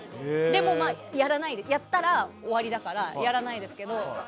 でも、やったら終わりだからやらないですけど。